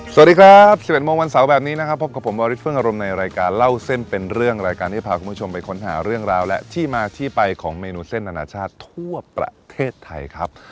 สวัสดีครับ๑๑โมงวันเสาร์แบบนี้นะครับพบกับผมวาริสเฟิ่งอารมณ์ในรายการเล่าเส้นเป็นเรื่องรายการที่พาคุณผู้ชมไปค้นหาเรื่องราวและที่มาที่ไปของเมนูเส้นอนาชาติทั่วประเทศไทยครับ